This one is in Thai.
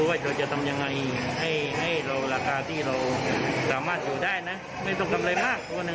ไม่ต้องทำอะไรมาก